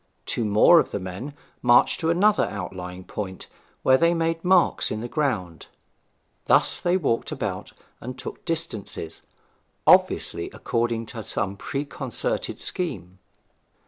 Two more of the men marched to another outlying point, where they made marks in the ground. Thus they walked about and took distances, obviously according to some preconcerted scheme.